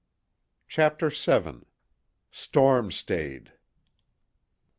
CHAPTER VII STORM STAYED.